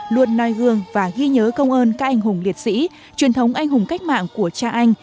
luôn nai gương và ghi nhớ công ơn các anh hùng liệt sĩ truyền thống anh hùng cách mạng của cha anh